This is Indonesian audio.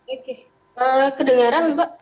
oke kedengaran mbak